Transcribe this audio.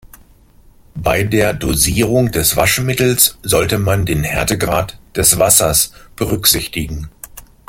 Bei der Dosierung des Waschmittels sollte man den Härtegrad des Wassers berücksichtigen.